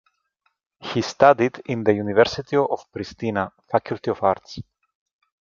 He studied in the University of Pristina, Faculty of Arts.